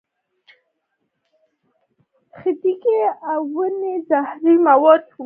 خټکی د وینې زهري مواد پاکوي.